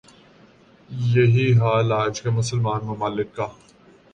یہی حال آج کے مسلمان ممالک کا